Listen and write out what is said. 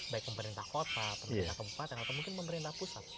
baik pemerintah kota pemerintah kabupaten atau mungkin pemerintah pusat